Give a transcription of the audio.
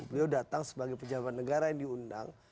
beliau datang sebagai pejabat negara yang diundang